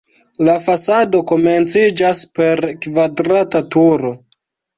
La fasado komenciĝas per kvadrata turo.